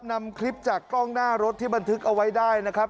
นำคลิปจากกล้องหน้ารถที่บันทึกเอาไว้ได้นะครับ